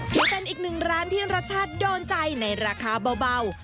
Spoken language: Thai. ถือเป็นอีกหนึ่งร้านที่รสชาติโดนใจในราคาเบา